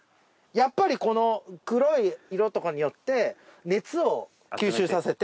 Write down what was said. やっぱりこの黒い色とかによって熱を吸収させて。